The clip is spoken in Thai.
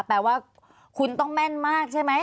แปลว่าคุณต้องแม่นมากใช่ไหม